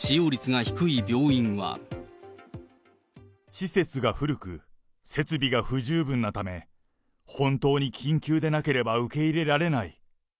施設が古く、設備が不十分なため、本当に緊急でなければ受け入れられない。